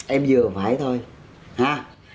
em vừa phải thôi ha